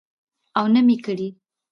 او نه مې کړى.